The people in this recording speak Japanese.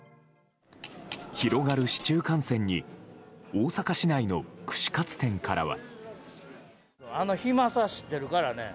広がる市中感染に大阪市内の串カツ店からは。